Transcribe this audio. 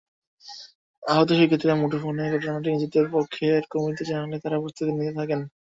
আহত শিক্ষার্থীরা মুঠোফোনে ঘটনাটি নিজেদের পক্ষের কর্মীদের জানালে তাঁরা প্রস্তুতি নিতে থাকেন।